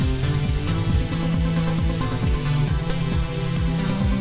oke selamat menikmati